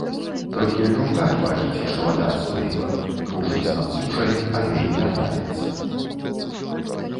Толькі крумкач бачыць, што вада адступіла, кружыць над сушай, але не вяртаецца.